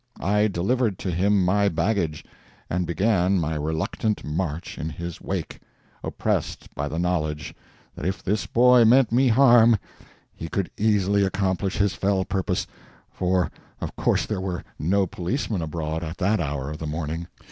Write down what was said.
I delivered to him my baggage, and began my reluctant march in his wake, oppressed by the knowledge that if this boy meant me harm he could easily accomplish his fell purpose, for of course there were no policemen abroad at that hour of the morning.